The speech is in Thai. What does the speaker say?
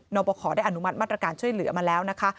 บคได้อนุมัติมาตรการช่วยเหลือมาแล้วนะคะ